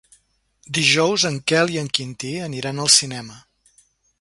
Dijous en Quel i en Quintí aniran al cinema.